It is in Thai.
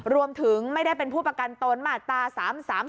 รวมถึงไม่ได้เป็นผู้ประกันตนมาตรา๓๓